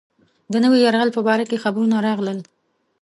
د نوي یرغل په باره کې خبرونه راغلل.